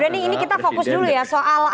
prof denny ini kita fokus dulu ya soal